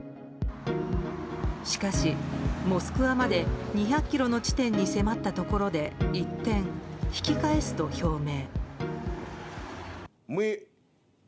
しかし、モスクワまで２００ｋｍの地点に迫ったところで一転、引き返すと表明。